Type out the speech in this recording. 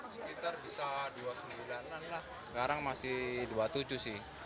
sekitar bisa rp dua puluh sembilan lah sekarang masih rp dua puluh tujuh sih